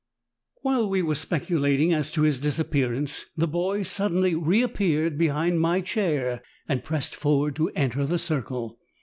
While we were speculating as to his disappearance the boy suddenly reappeared behind my chair and pressed forward to enter the circle.